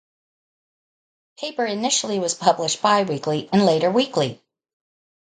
The paper initially was published bi-weekly, and later weekly.